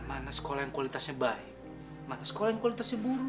mana sekolah yang kualitasnya baik maka sekolah yang kualitasnya buruk